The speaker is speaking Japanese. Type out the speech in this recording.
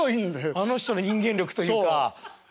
あの人の人間力というか。